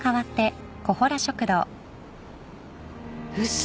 嘘！